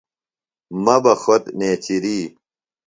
مہ بہ خوۡت نیچِری